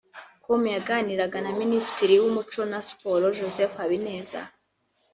com yaganiraga na Minisitiri w’umuco na Siporo Joseph Habineza